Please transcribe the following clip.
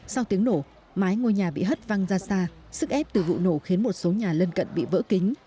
sau tiếng nổ mái ngôi nhà bị hất văng ra xa sức ép từ vụ nổ khiến một số nhà lân cận bị vỡ kính